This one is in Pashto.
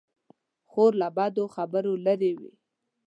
خور له بدو خبرو لیرې وي.